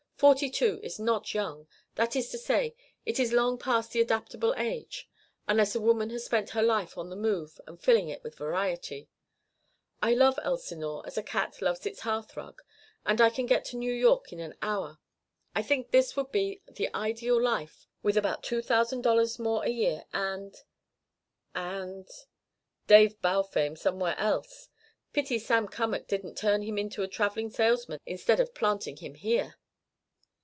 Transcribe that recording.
Forty two is not young that is to say, it is long past the adaptable age, unless a woman has spent her life on the move and filling it with variety. I love Elsinore as a cat loves its hearth rug. And I can get to New York in an hour. I think this would be the ideal life with about two thousand dollars more a year, and and " "Dave Balfame somewhere else! Pity Sam Cummack didn't turn him into a travelling salesman instead of planting him here."